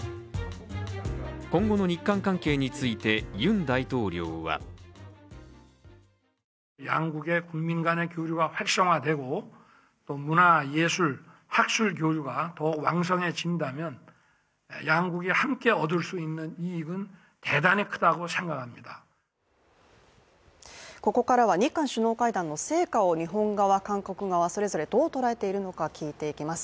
今後の日韓関係について、ユン大統領はここからは日韓首脳会談の成果を日本側、韓国側、それぞれどう捉えているのか聞いていきます。